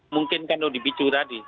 mungkin kan udah dibicu tadi